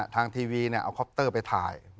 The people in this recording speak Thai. ทางทีวีเนี่ยเอาค๊อปเตอร์ไปถ่าย